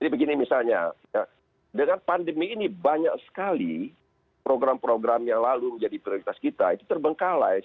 bagaimana pandemi ini banyak sekali program program yang lalu menjadi prioritas kita itu terbengkalai